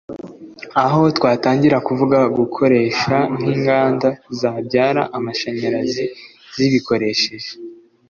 aho twatangira kuvuga gukora nk’inganda zabyara amashanyarazi zibikoresheje